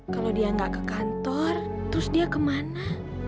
kalo dia gak ke kantor terus dia kemana